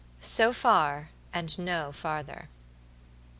SO FAR AND NO FARTHER.